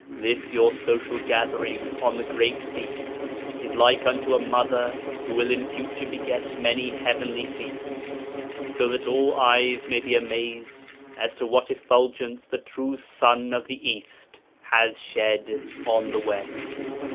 'This your social gathering on the Great Feast is like unto a Mother who will in future beget many Heavenly Feasts. So that all eyes may be amazed as to what effulgence the true Sun of the East has shed on the West.